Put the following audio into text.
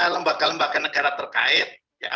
lembaga lembaga negara terkait